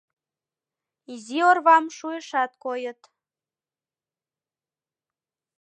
Изи орвам шуйышат койыт.